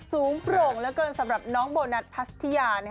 โปร่งเหลือเกินสำหรับน้องโบนัสพัสยา